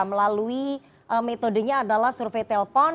melalui metodenya adalah survei telpon